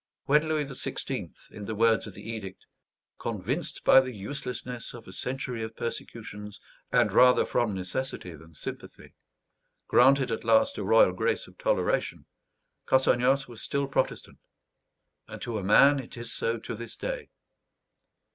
When Louis XVI., in the words of the edict, "convinced by the uselessness of a century of persecutions, and rather from necessity than sympathy," granted at last a royal grace of toleration, Cassagnas was still Protestant; and to a man, it is so to this day.